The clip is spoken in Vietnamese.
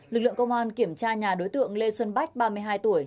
lực lượng công an kiểm tra nhà đối tượng lê xuân bách ba mươi hai tuổi